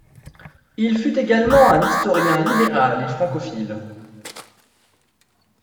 Il fut également un historien libéral et francophile.